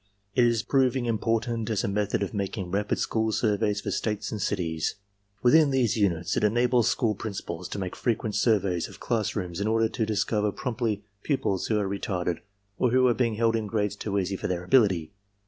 It is proving important as a method of making rapid school surveys for states and cities. Within these units, it enables school principals to make frequent surveys of class rooms in order to discover promptly pupils who are retarded or who are being held in grades too easy for their ability.